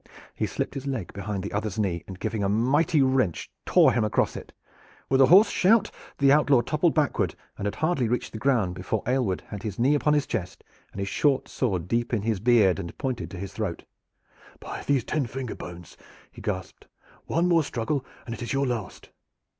He slipped his leg behind the other's knee, and, giving a mighty wrench, tore him across it. With a hoarse shout the outlaw toppled backward and had hardly reached the ground before Aylward had his knee upon his chest and his short sword deep in his beard and pointed to his throat. "By these ten finger bones!" he gasped, "one more struggle and it is your last!"